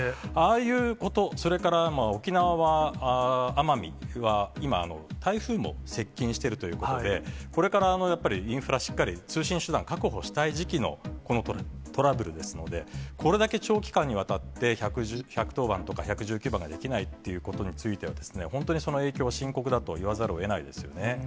ああいうこと、それから、沖縄・奄美は、今、台風も接近してるということで、これからやっぱり、インフラしっかり通信手段を確保したい時期の、このトラブルですので、これだけ長期間にわたって１１０番とか１１９番ができないということについては、本当にその影響は深刻だといわざるをえないですよね。